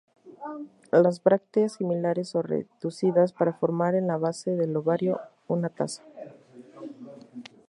Las brácteas similares o reducidas para formar en la base del ovario una "taza".